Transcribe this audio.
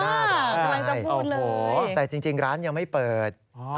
กำลังจะพูดเลยอ้อโอ้โฮแต่จริงร้านยังไม่เปิด